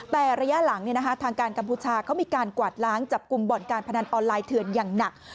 แต่ระยะหลังทางการกัมพูชาเขามีการกวาดล้างจับกลุ่มบ่อนการพนันออนไลน์เถื่อนอย่างหนัก